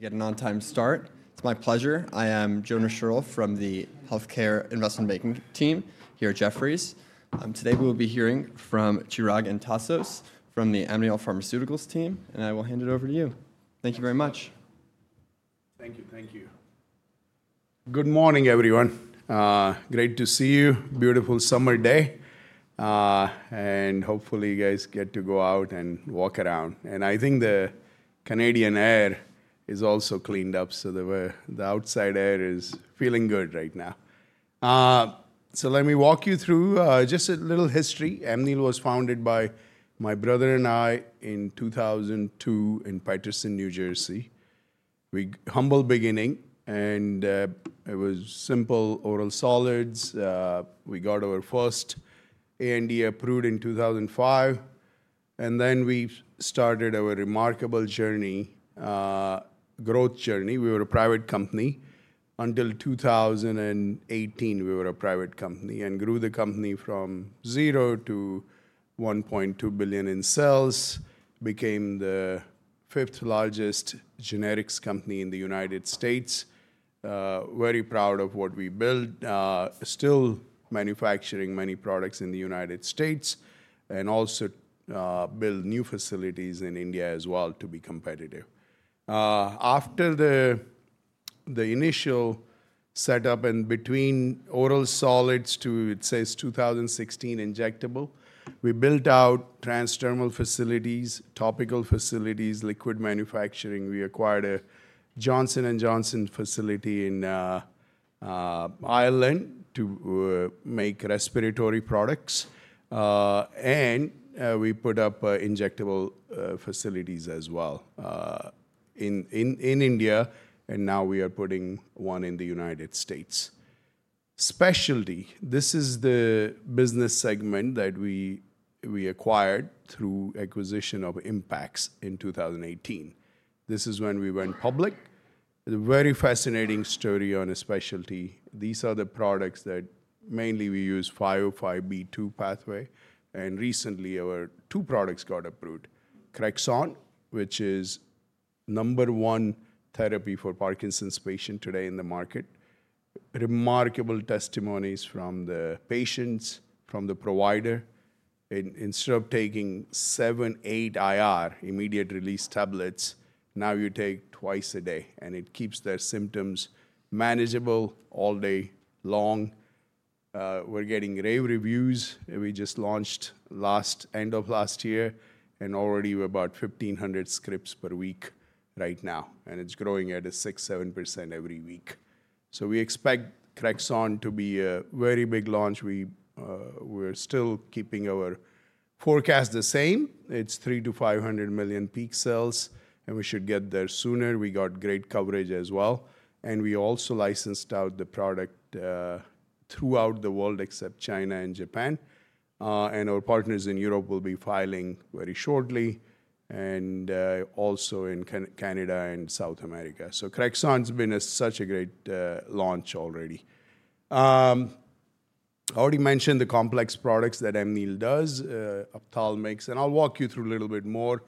Get an on-time start. It's my pleasure. I am Jonah Scherl from the Healthcare Investment Banking team here at Jefferies. Today we will be hearing from Chirag and Tasos from the Amneal Pharmaceuticals team, and I will hand it over to you. Thank you very much. Thank you. Thank you. Good morning, everyone. Great to see you. Beautiful summer day. Hopefully you guys get to go out and walk around. I think the Canadian air is also cleaned up, so the outside air is feeling good right now. Let me walk you through just a little history. Amneal was founded by my brother and I in 2002 in Paterson, New Jersey. We humble beginning, and it was simple oral solids. We got our first ANDA approved in 2005, and then we started our remarkable journey, growth journey. We were a private company. Until 2018, we were a private company and grew the company from zero to $1.2 billion in sales, became the fifth largest generics company in the United States. Very proud of what we build, still manufacturing many products in the United States, and also build new facilities in India as well to be competitive. After the initial setup and between oral solids to, it says 2016 injectable, we built out transdermal facilities, topical facilities, liquid manufacturing. We acquired a Johnson & Johnson facility in Ireland to make respiratory products, and we put up injectable facilities as well in India, and now we are putting one in the United States. Specialty, this is the business segment that we acquired through acquisition of Impax in 2018. This is when we went public. A very fascinating story on a specialty. These are the products that mainly we use 505(b)(2) pathway, and recently our two products got approved. Crexont, which is number one therapy for Parkinson's patients today in the market. Remarkable testimonies from the patients, from the provider. Instead of taking seven, eight IR, immediate release tablets, now you take twice a day, and it keeps their symptoms manageable all day long. We're getting rave reviews. We just launched last end of last year, and already we're about 1,500 scripts per week right now, and it's growing at a 6-7% every week. We expect Crexont to be a very big launch. We're still keeping our forecast the same. It's $300 million-$500 million peak sales, and we should get there sooner. We got great coverage as well. We also licensed out the product throughout the world except China and Japan. Our partners in Europe will be filing very shortly, and also in Canada and South America. Crexont's been such a great launch already. I already mentioned the complex products that Amneal does, ophthalmics, and I'll walk you through a little bit more.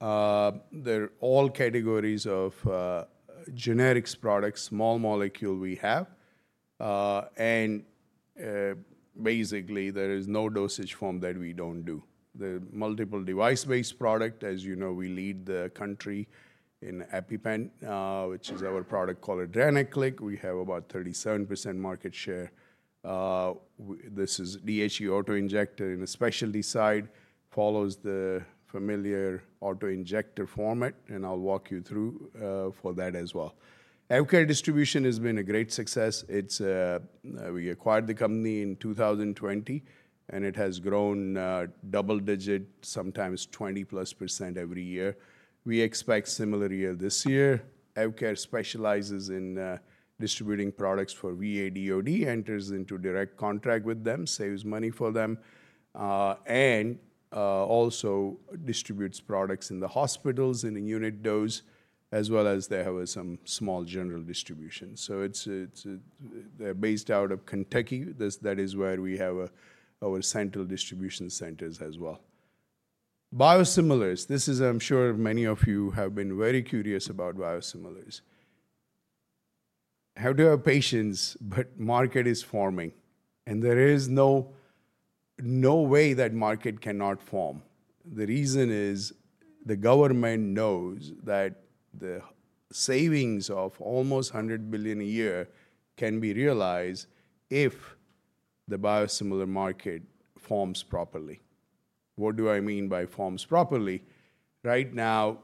They're all categories of generics products, small molecule we have. Basically, there is no dosage form that we don't do. There are multiple device-based products. As you know, we lead the country in EpiPen, which is our product called Adrenaclick. We have about 37% market share. This is DHE auto-injector in a specialty side, follows the familiar auto-injector format, and I'll walk you through for that as well. Healthcare distribution has been a great success. We acquired the company in 2020, and it has grown double digit, sometimes 20+% every year. We expect similar year this year. Healthcare specializes in distributing products for VA/DOD, enters into direct contract with them, saves money for them, and also distributes products in the hospitals in a unit dose, as well as they have some small general distribution. They are based out of Kentucky. That is where we have our central distribution centers as well. Biosimilars, this is, I'm sure many of you have been very curious about biosimilars. How do our patients, but market is forming, and there is no way that market cannot form. The reason is the government knows that the savings of almost $100 billion a year can be realized if the biosimilar market forms properly. What do I mean by forms properly? Right now,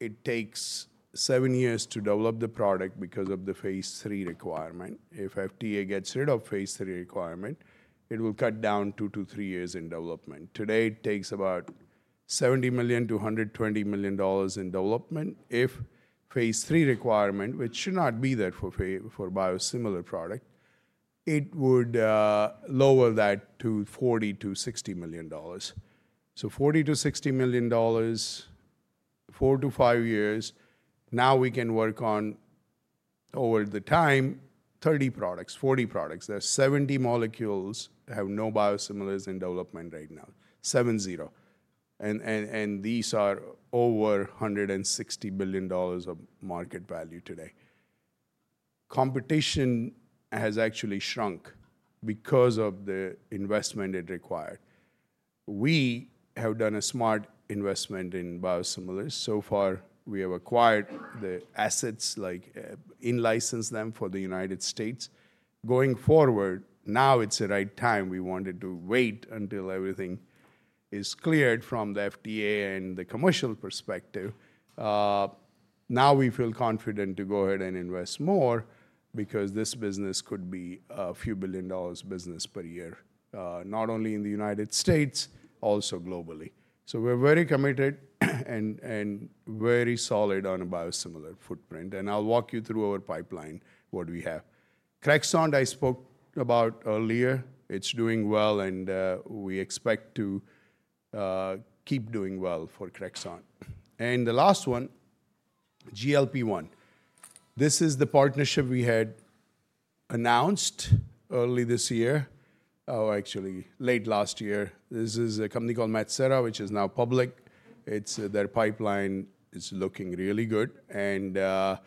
it takes seven years to develop the product because of the phase three requirement. If FDA gets rid of phase three requirement, it will cut down two to three years in development. Today, it takes about $70 million-$120 million in development. If phase three requirement, which should not be there for biosimilar product, it would lower that to $40 million-$60 million. So $40 million-$60 million, four to five years. Now we can work on over the time, 30 products, 40 products. There's 70 molecules that have no biosimilars in development right now, seven, zero. And these are over $160 billion of market value today. Competition has actually shrunk because of the investment it required. We have done a smart investment in biosimilars. So far, we have acquired the assets, like in-licensed them for the United States. Going forward, now it's the right time. We wanted to wait until everything is cleared from the FDA and the commercial perspective. Now we feel confident to go ahead and invest more because this business could be a few billion dollars business per year, not only in the United States, also globally. We are very committed and very solid on a biosimilar footprint. I'll walk you through our pipeline, what we have. Crexont, I spoke about earlier. It's doing well, and we expect to keep doing well for Crexont. The last one, GLP-1. This is the partnership we had announced early this year, or actually late last year. This is a company called Medsera, which is now public. Their pipeline is looking really good. It's a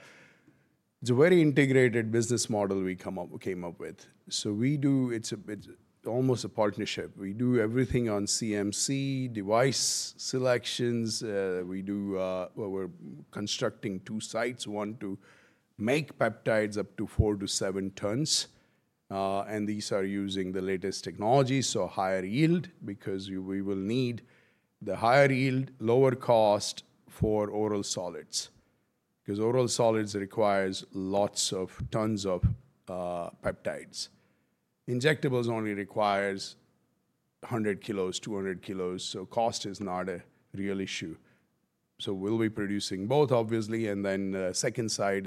very integrated business model we came up with. We do, it's almost a partnership. We do everything on CMC, device selections. We're constructing two sites, one to make peptides up to 4-7 tons. These are using the latest technology, so higher yield, because we will need the higher yield, lower cost for oral solids. Oral solids requires lots of tons of peptides. Injectables only requires 100 kilos, 200 kilos. Cost is not a real issue. We'll be producing both, obviously. The second site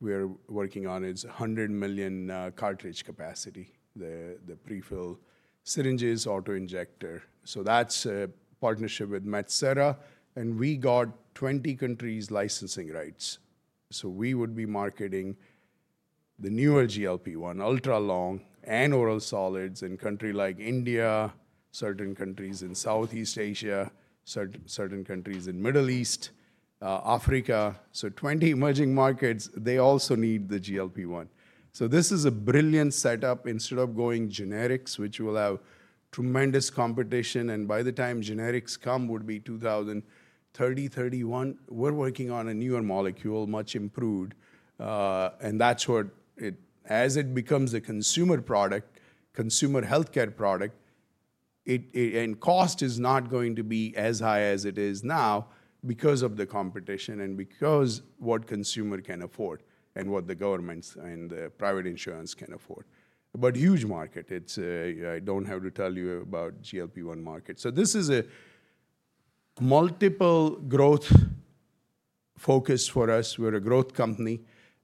we're working on is 100 million cartridge capacity, the prefilled syringes, auto injector. That is a partnership with Medsera. We got 20 countries licensing rights. We would be marketing the newer GLP-1, ultra long and oral solids in countries like India, certain countries in Southeast Asia, certain countries in the Middle East, Africa. Twenty emerging markets, they also need the GLP-1. This is a brilliant setup. Instead of going generics, which will have tremendous competition, and by the time generics come would be 2030-2031, we are working on a newer molecule, much improved. That is what, as it becomes a consumer product, consumer healthcare product, and cost is not going to be as high as it is now because of the competition and because of what consumers can afford and what the governments and the private insurance can afford. Huge market. I do not have to tell you about the GLP-1 market. This is a multiple growth focus for us. We're a growth company.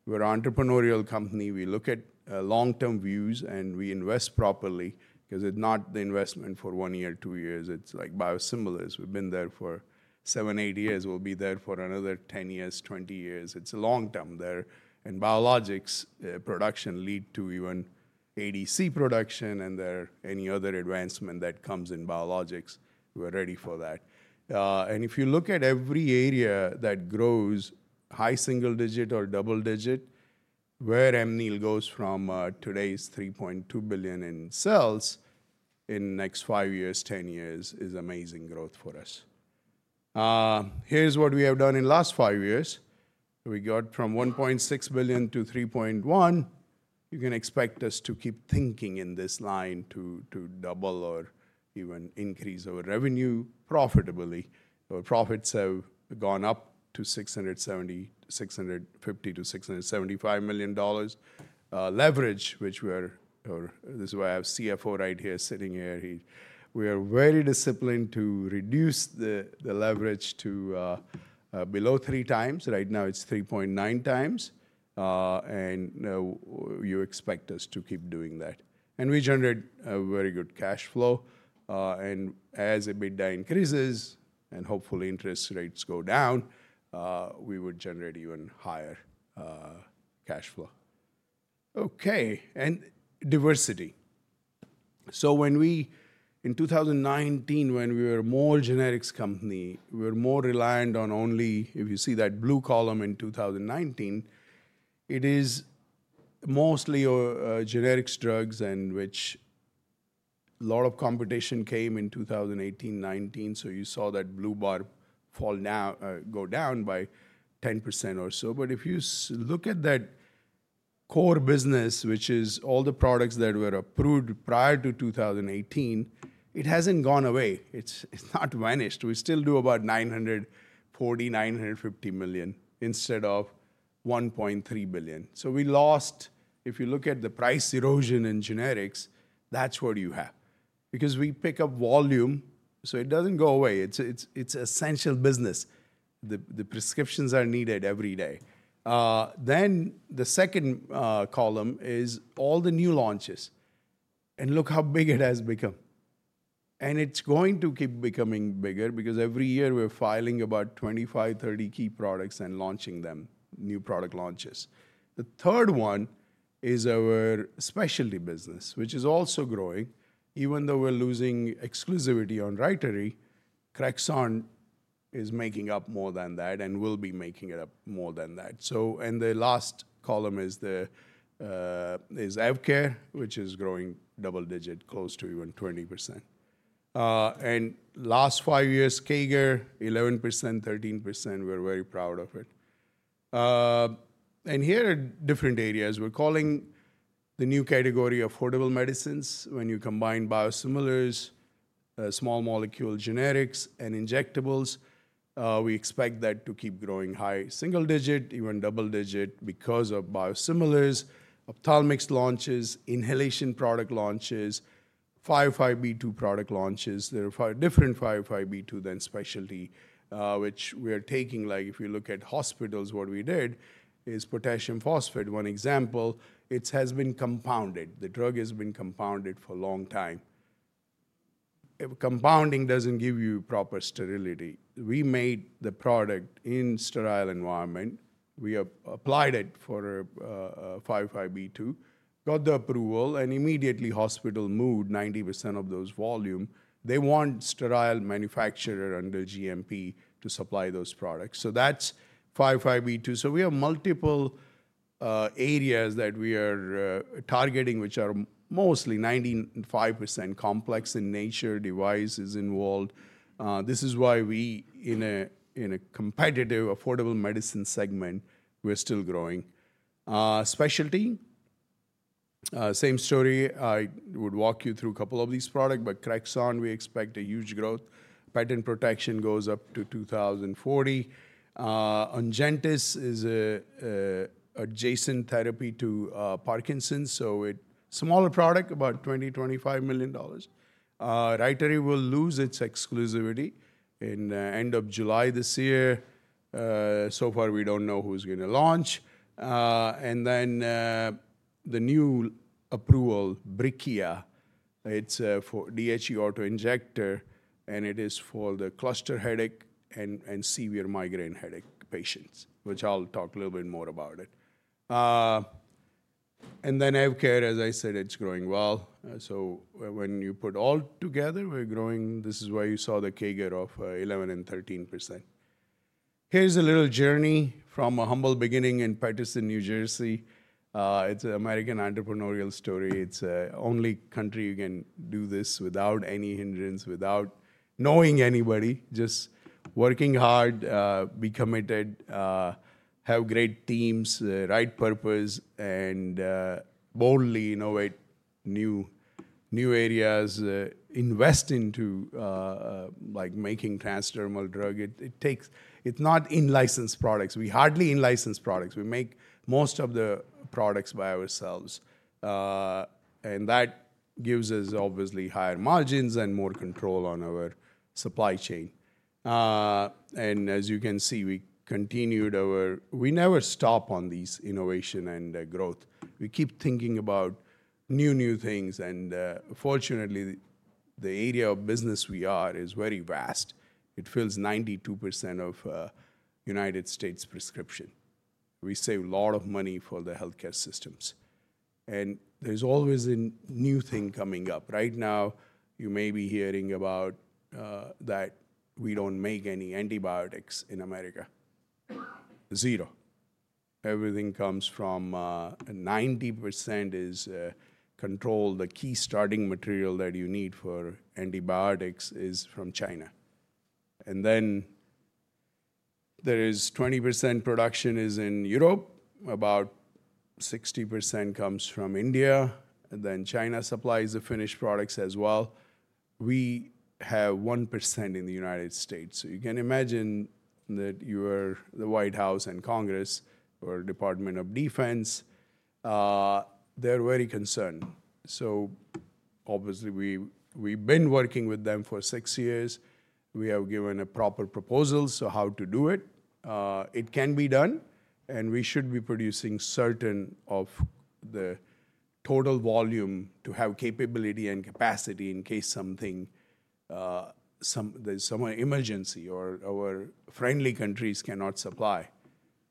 We're an entrepreneurial company. We look at long-term views and we invest properly because it's not the investment for one year, two years. It's like biosimilars. We've been there for seven, eight years. We'll be there for another 10 years, 20 years. It's a long term there. Biologics production leads to even ADC production and any other advancement that comes in biologics, we're ready for that. If you look at every area that grows high single digit or double digit, where Amneal goes from today's $3.2 billion in sales in next five years, 10 years is amazing growth for us. Here's what we have done in last five years. We got from $1.6 billion to $3.1 billion. You can expect us to keep thinking in this line to double or even increase our revenue profitably. Our profits have gone up to $670 million, $650-$675 million. Leverage, which we are, or this is why I have CFO right here sitting here. We are very disciplined to reduce the leverage to below three times. Right now it is 3.9 times. You expect us to keep doing that. We generate very good cash flow. As EBITDA increases and hopefully interest rates go down, we would generate even higher cash flow. Okay, and diversity. In 2019, when we were more generics company, we were more reliant on only, if you see that blue column in 2019, it is mostly generics drugs and which a lot of competition came in 2018, 2019. You saw that blue bar fall down by 10% or so. If you look at that core business, which is all the products that were approved prior to 2018, it has not gone away. It has not vanished. We still do about $940 million, $950 million instead of $1.3 billion. We lost, if you look at the price erosion in generics, that is what you have. We pick up volume, so it does not go away. It is essential business. The prescriptions are needed every day. The second column is all the new launches. Look how big it has become. It is going to keep becoming bigger because every year we are filing about 25-30 key products and launching them, new product launches. The third one is our specialty business, which is also growing. Even though we are losing exclusivity on Rytary, Crexont is making up more than that and will be making it up more than that. In the last column is AvKare, which is growing double digit, close to even 20%. In the last five years, CAGR, 11%-13%. We're very proud of it. Here are different areas. We're calling the new category affordable medicines. When you combine biosimilars, small molecule generics, and injectables, we expect that to keep growing high single digit, even double digit because of biosimilars, ophthalmics launches, inhalation product launches, 505(b)(2) product launches. There are different 505(b)(2) than specialty, which we are taking. Like if you look at hospitals, what we did is potassium phosphate, one example. It has been compounded. The drug has been compounded for a long time. Compounding doesn't give you proper sterility. We made the product in sterile environment. We applied for 505(b)(2), got the approval, and immediately hospital moved 90% of those volume. They want sterile manufacturer under GMP to supply those products. That's 505(b)(2). We have multiple areas that we are targeting, which are mostly 95% complex in nature, devices involved. This is why we, in a competitive affordable medicine segment, are still growing. Specialty, same story. I would walk you through a couple of these products, but Crexont, we expect a huge growth. Patent protection goes up to 2040. Ongentys is an adjacent therapy to Parkinson's. It's a smaller product, about $20-25 million. Rytary will lose its exclusivity at the end of July this year. So far, we don't know who's going to launch. The new approval, Brivia, it's for DHE auto-injector, and it is for the cluster headache and severe migraine headache patients, which I'll talk a little bit more about. AvKare, as I said, it's growing well. When you put all together, we're growing. This is why you saw the CAGR of 11-13%. Here's a little journey from a humble beginning in Paterson, New Jersey. It's an American entrepreneurial story. It's the only country you can do this without any hindrance, without knowing anybody, just working hard, be committed, have great teams, right purpose, and boldly innovate new areas, invest into making transdermal drug. It's not in-licensed products. We hardly in-license products. We make most of the products by ourselves. That gives us obviously higher margins and more control on our supply chain. As you can see, we continued our, we never stop on these innovation and growth. We keep thinking about new, new things. Fortunately, the area of business we are is very vast. It fills 92% of United States prescription. We save a lot of money for the healthcare systems. There's always a new thing coming up. Right now, you may be hearing that we do not make any antibiotics in America. Zero. Everything comes from, 90% is controlled, the key starting material that you need for antibiotics is from China. There is 20% production in Europe. About 60% comes from India. China supplies the finished products as well. We have 1% in the United States. You can imagine that if you are the White House and Congress or Department of Defense, they are very concerned. Obviously, we've been working with them for six years. We have given a proper proposal on how to do it. It can be done. We should be producing a certain portion of the total volume to have capability and capacity in case there is some emergency or our friendly countries cannot supply,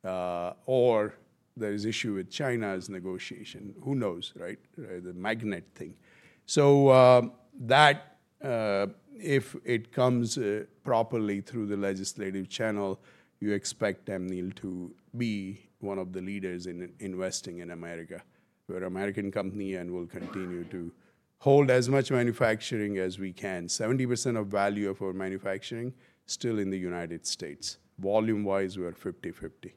or there is an issue with China's negotiation. Who knows, right? The magnet thing. If it comes properly through the legislative channel, you expect Amneal to be one of the leaders in investing in America. We're an American company and we'll continue to hold as much manufacturing as we can. 70% of value of our manufacturing still in the United States. Volume-wise, we're 50-50.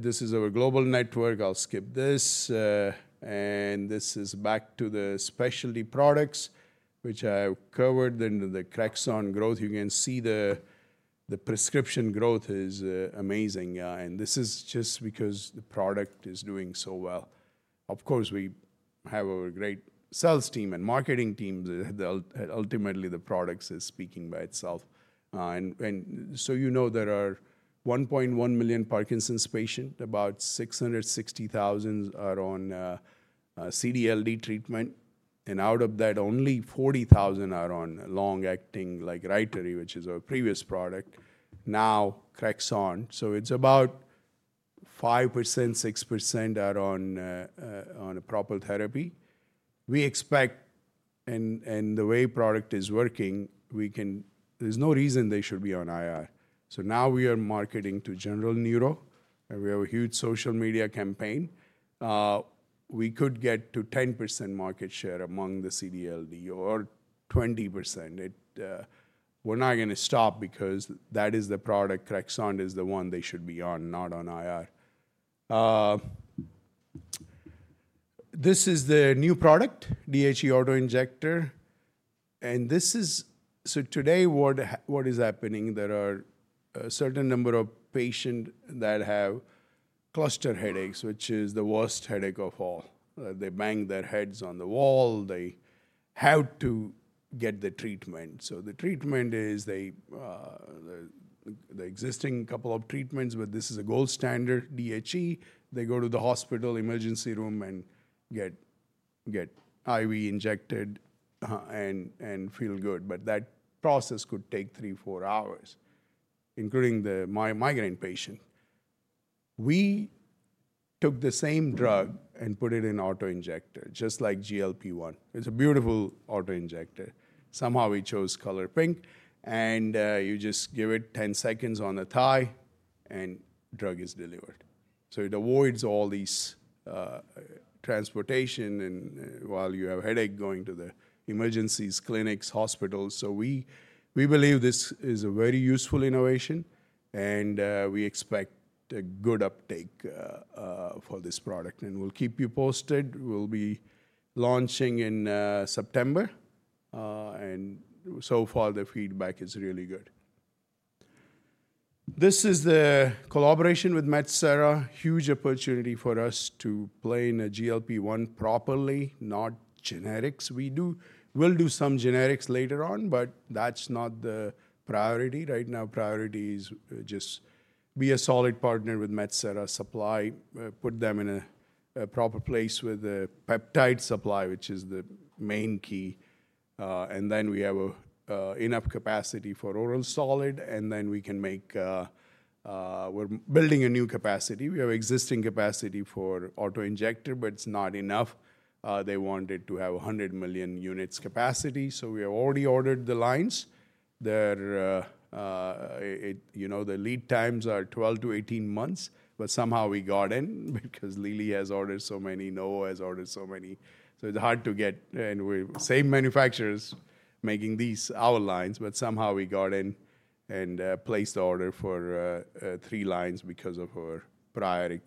This is our global network. I'll skip this. This is back to the specialty products, which I have covered in the Crexont growth. You can see the prescription growth is amazing. This is just because the product is doing so well. Of course, we have our great sales team and marketing team. Ultimately, the product is speaking by itself. You know there are 1.1 million Parkinson's patients. About 660,000 are on CDLD treatment. Out of that, only 40,000 are on long-acting like Rytary, which is our previous product. Now Crexont. It is about 5%-6% are on a proper therapy. We expect in the way product is working, there is no reason they should be on IR. Now we are marketing to general neuro. We have a huge social media campaign. We could get to 10% market share among the CDLD or 20%. We are not going to stop because that is the product. Crexont is the one they should be on, not on IR. This is the new product, DHE auto-injector. This is what is happening today. There are a certain number of patients that have cluster headaches, which is the worst headache of all. They bang their heads on the wall. They have to get the treatment. The treatment is the existing couple of treatments, but this is a gold standard DHE. They go to the hospital emergency room and get IV injected and feel good. That process could take three, four hours, including the migraine patient. We took the same drug and put it in auto injector, just like GLP-1. It's a beautiful auto injector. Somehow we chose color pink. You just give it 10 seconds on the thigh and drug is delivered. It avoids all this transportation and while you have headache going to the emergencies, clinics, hospitals. We believe this is a very useful innovation. We expect a good uptake for this product. We'll keep you posted. We'll be launching in September. So far, the feedback is really good. This is the collaboration with Medsera. Huge opportunity for us to play in a GLP-1 properly, not generics. We will do some generics later on, but that's not the priority right now. Priority is just be a solid partner with Medsera supply, put them in a proper place with a peptide supply, which is the main key. And then we have enough capacity for oral solid. And then we can make, we're building a new capacity. We have existing capacity for auto-injector, but it's not enough. They wanted to have 100 million units capacity. So we have already ordered the lines. The lead times are 12-18 months, but somehow we got in because Lily has ordered so many, Noah has ordered so many. So it's hard to get. We're same manufacturers making these our lines, but somehow we got in and placed the order for three lines because of our prior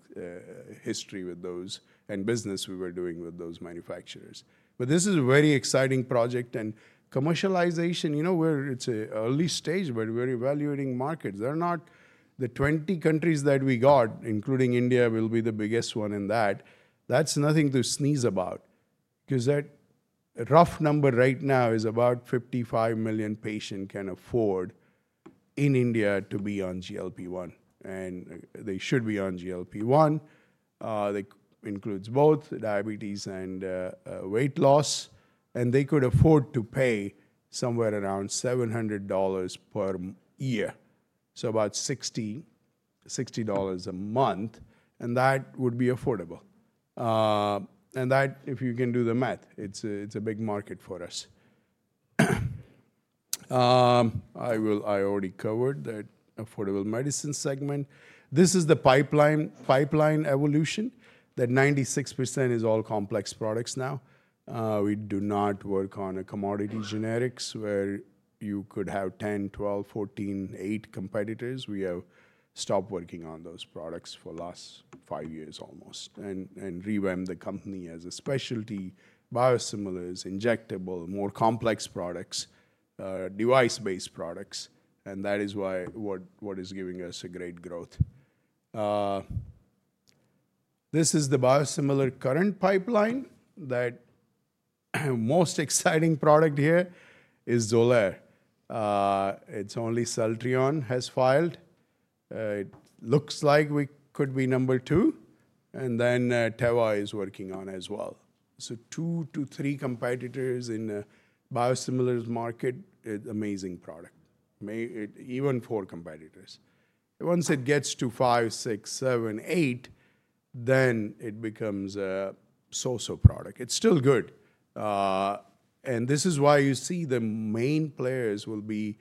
history with those and business we were doing with those manufacturers. This is a very exciting project. Commercialization, you know, where it's an early stage, but we're evaluating markets. They're not the 20 countries that we got, including India will be the biggest one in that. That's nothing to sneeze at because that rough number right now is about 55 million patients can afford in India to be on GLP-1. They should be on GLP-1. It includes both diabetes and weight loss. They could afford to pay somewhere around $700 per year, so about $60 a month. That would be affordable. If you can do the math, it's a big market for us. I already covered that affordable medicine segment. This is the pipeline evolution. That 96% is all complex products now. We do not work on commodity generics where you could have 10, 12, 14, 8 competitors. We have stopped working on those products for the last five years almost and revamped the company as a specialty, biosimilars, injectable, more complex products, device-based products. That is what is giving us a great growth. This is the biosimilar current pipeline. That most exciting product here is Xolair. It's only Celtrion has filed. It looks like we could be number two. Teva is working on as well. Two to three competitors in the biosimilars market is an amazing product. Even four competitors. Once it gets to five, six, seven, eight, then it becomes a so-so product. It's still good. This is why you see the main players will be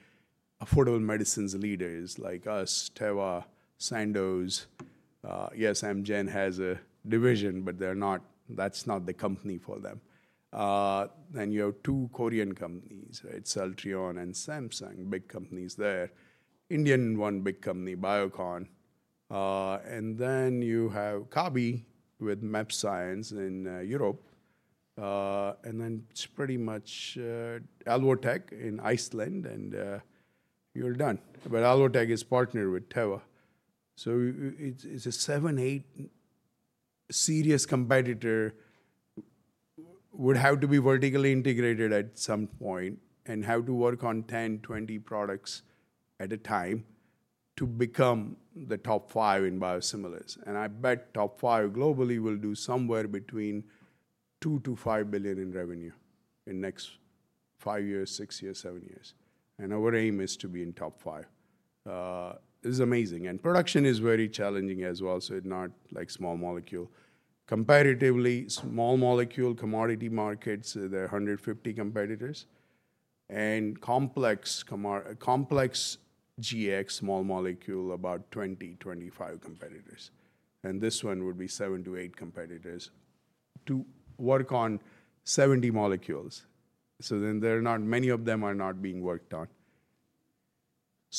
affordable medicines leaders like us, Teva, Sandoz. Yes, Amgen has a division, but they're not, that's not the company for them. You have two Korean companies, Celtrion and Samsung, big companies there. Indian one big company, Biocon. You have Kabi with mAbxience in Europe. It is pretty much Alvotech in Iceland. You're done. Alvotech is partnered with Teva. It is a seven, eight serious competitor. Would have to be vertically integrated at some point and have to work on 10-20 products at a time to become the top five in biosimilars. I bet top five globally will do somewhere between $2 billion-$5 billion in revenue in the next five years, six years, seven years. Our aim is to be in top five. It's amazing. Production is very challenging as well. It is not like small molecule. Comparatively, small molecule commodity markets, there are 150 competitors. In complex GX small molecule, about 20-25 competitors. In this one, there would be seven to eight competitors to work on 70 molecules. Many of them are not being worked on.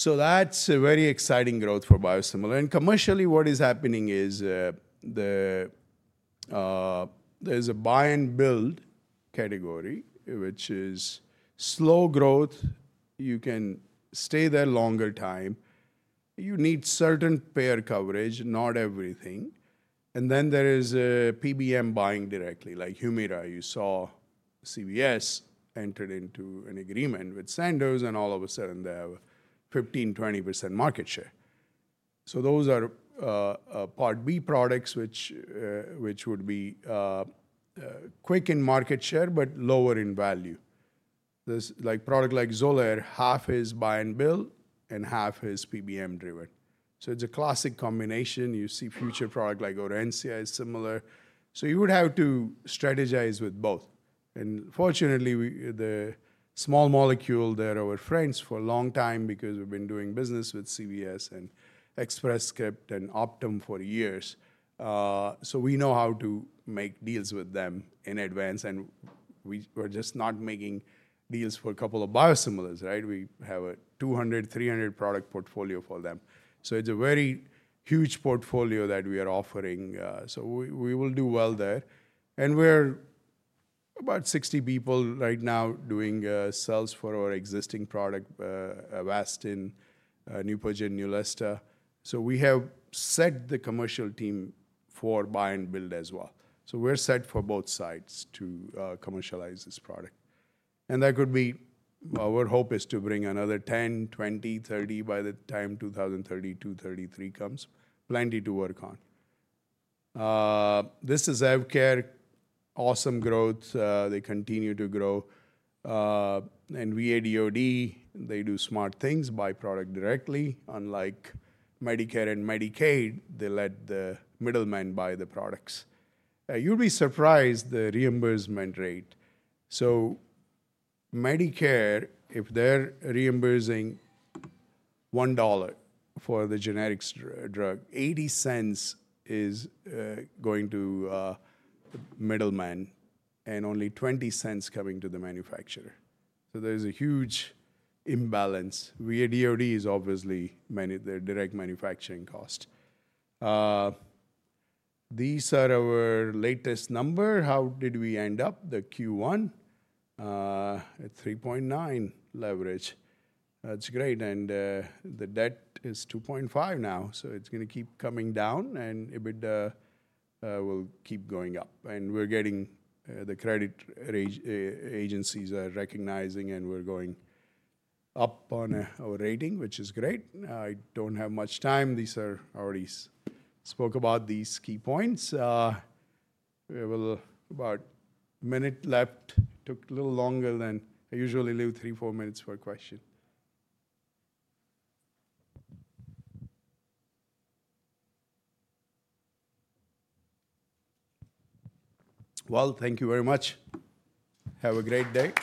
That is a very exciting growth for biosimilars. Commercially, what is happening is there is a buy and build category, which is slow growth. You can stay there a longer time. You need certain payer coverage, not everything. There is a PBM buying directly like Humira. You saw CVS entered into an agreement with Sandoz, and all of a sudden, they have 15-20% market share. Those are Part B products, which would be quick in market share, but lower in value. Product like Xolair, half is buy and build and half is PBM driven. It's a classic combination. You see future product like Orencia is similar. You would have to strategize with both. Fortunately, the small molecule, they're our friends for a long time because we've been doing business with CVS and Express Scripts and Optum for years. We know how to make deals with them in advance. We're just not making deals for a couple of biosimilars, right? We have a 200-300 product portfolio for them. It's a very huge portfolio that we are offering. We will do well there. We're about 60 people right now doing sales for our existing product, Avastin, Neupogen, Neulasta. We have set the commercial team for buy and build as well. We're set for both sides to commercialize this product. That could be, our hope is to bring another 10, 20, 30 by the time 2032, 2033 comes, plenty to work on. This is EvCare, awesome growth. They continue to grow. And VA/DOD, they do smart things, buy product directly. Unlike Medicare and Medicaid, they let the middlemen buy the products. You'd be surprised the reimbursement rate. Medicare, if they're reimbursing $1 for the generic drug, $0.80 is going to the middleman and only $0.20 coming to the manufacturer. There's a huge imbalance. VA/DOD is obviously their direct manufacturing cost. These are our latest numbers. How did we end up? The Q1, at 3.9 leverage. That's great. The debt is 2.5 now. It's going to keep coming down and EBITDA will keep going up. We're getting the credit agencies are recognizing and we're going up on our rating, which is great. I do not have much time. These are already spoke about these key points. We have about a minute left. Took a little longer than I usually leave three or four minutes for a question. Thank you very much. Have a great day.